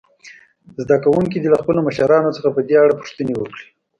زده کوونکي دې له خپلو مشرانو څخه په دې اړه پوښتنې وکړي.